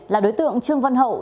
là đối tượng trương văn hậu